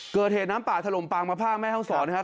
เกิดเหตุน้ำป่าถล่มปางมะภาคแม่ห้องศรนะครับ